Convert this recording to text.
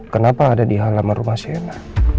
kenapa ada di halaman rumah saya